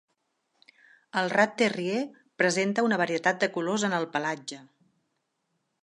El "rat terrier" presenta una varietat de colors en el pelatge.